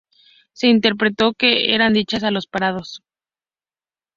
Se interpretó que eran dichas a los parados.